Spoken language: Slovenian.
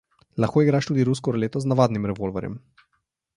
Lahko igraš tudi rusko ruleto z navadnim revolverjem.